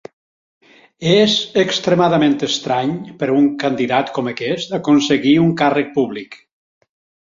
És extremadament estrany per a un candidat com aquest aconseguir un càrrec públic.